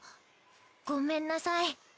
ごめんなさい。